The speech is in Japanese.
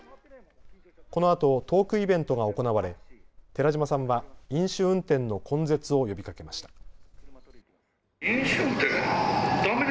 このあとトークイベントが行われ寺島さんは飲酒運転の根絶を呼びかけました。